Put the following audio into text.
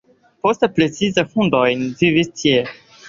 Poste precipe hinduoj vivis tie.